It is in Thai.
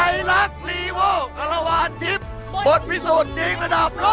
เย้